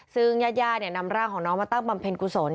ซึ่งญาติย่านำร่างของน้องมาตั้งบำเพ็ญกุศล